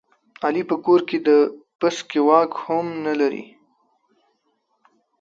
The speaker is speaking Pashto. علي په کور کې د پسکې واک هم نه لري.